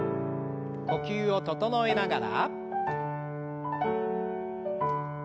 呼吸を整えながら。